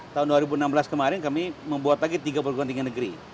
tahun dua ribu enam belas kemarin kami membuat lagi tiga perguruan tinggi negeri